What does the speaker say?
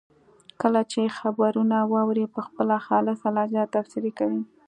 کله چې خبرونه واوري په خپله خالصه لهجه تبصرې کوي.